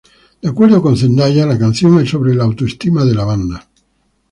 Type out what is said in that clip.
De acuerdo con Zendaya, la canción es sobre la autoestima de la banda.